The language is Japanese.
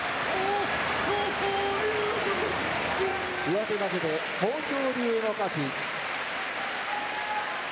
上手投げで豊昇龍の勝ち。